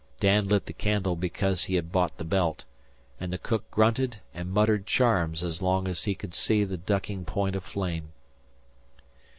Dan lit the candle because he had bought the belt, and the cook grunted and muttered charms as long as he could see the ducking point of flame.